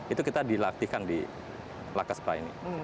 itu kita dilatihkan di lakespra ini